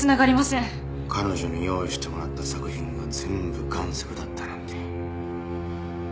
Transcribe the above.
彼女に用意してもらった作品が全部贋作だったなんて。